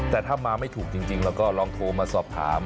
แต่ถ้ามาไม่ถูกจริงเราก็ลองโทรมาสอบถาม